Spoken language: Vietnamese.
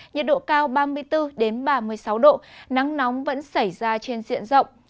nhiệt độ cao ba mươi bốn ba mươi sáu độ nắng nóng vẫn xảy ra trên diện rộng